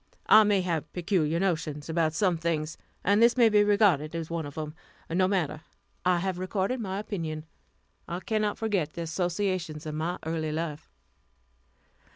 I may have peculiar notions about some things, and this may be regarded as one of them. No matter, I have recorded my opinion. I cannot forget the associations of my early life.